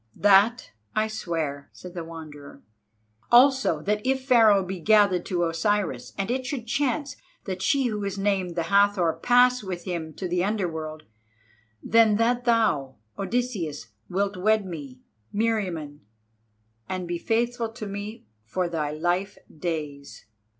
"That I swear," said the Wanderer. "Also that if Pharaoh be gathered to Osiris, and it should chance that she who is named the Hathor pass with him to the Underworld, then that thou, Odysseus, wilt wed me, Meriamun, and be faithful to me for thy life days."